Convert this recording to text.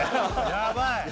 やばい